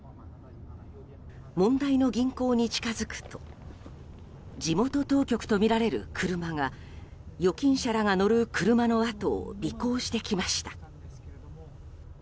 問題の銀行に近づくと地元当局とみられる車が預金者らが乗る車の後を尾行してきました。